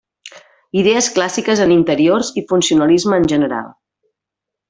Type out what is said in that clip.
Idees clàssiques en interiors i funcionalisme en general.